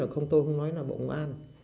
không tôi không nói là bộ công an